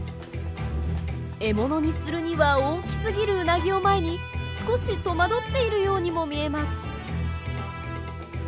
獲物にするには大きすぎるウナギを前に少し戸惑っているようにも見えます。